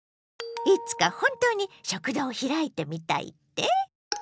いつか本当に食堂を開いてみたいって？